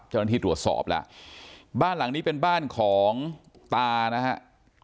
เจ้าหน้าที่ตรวจสอบแล้วบ้านหลังนี้เป็นบ้านของตานะฮะ